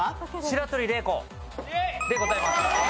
『白鳥麗子でございます！』。